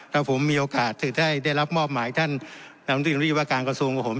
ถ้าผมมีโอกาสถือได้ได้รับมอบหมายท่านนักอนุญาตรีวิวาการกระทรวงการาโหม